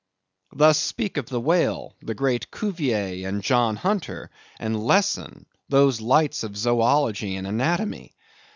Thus speak of the whale, the great Cuvier, and John Hunter, and Lesson, those lights of zoology and anatomy.